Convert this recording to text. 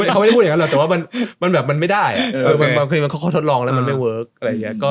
เขาทดลองแล้วมันไม่เวิร์ค